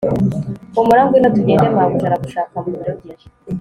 humura ngwino tugende mabuja aragushaka mubiro bye